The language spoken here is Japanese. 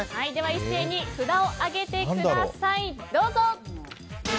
一斉に札を上げてください。